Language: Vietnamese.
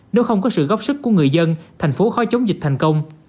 nếu không có sự góp sức của người dân thành phố khó chống dịch thành công